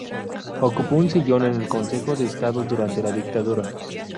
Ocupó un sillón en el Consejo de Estado durante la dictadura.